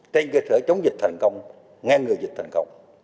trên cơ sở chống dịch thành công ngăn ngừa dịch thành công